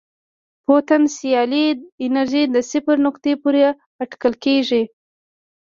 پوتنسیالي انرژي د صفر نقطې پورې اټکل کېږي.